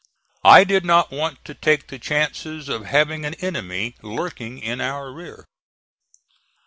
I did not want to take the chances of having an enemy lurking in our rear.